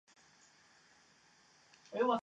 延平柿为柿科柿属下的一个种。